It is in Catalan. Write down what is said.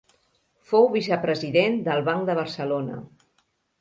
Fou vicepresident del Banc de Barcelona.